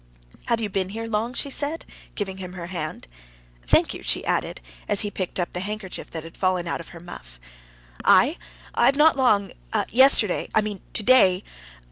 "Have you been here long?" she said, giving him her hand. "Thank you," she added, as he picked up the handkerchief that had fallen out of her muff. "I? I've not long ... yesterday ... I mean today